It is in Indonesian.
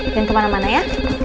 jangan kemana mana ya